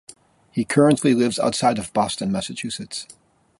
He currently lives outside of Boston, Massachusetts.